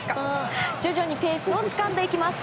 徐々にペースをつかんでいきます。